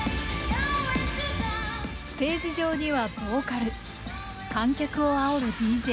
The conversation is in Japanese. ステージ上にはボーカル観客をあおるＤＪ。